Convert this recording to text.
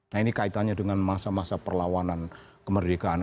nah ini kaitannya dengan masa masa perlawanan kemerdekaan